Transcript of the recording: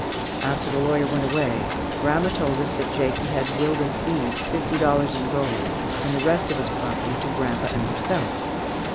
After the lawyer went away, grandma told us that Jakie had willed us each fifty dollars in gold, and the rest of his property to grandpa and herself.